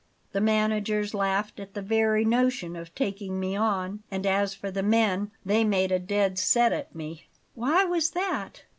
The managers laughed at the very notion of taking me on, and as for the men, they made a dead set at me." "Why was that?"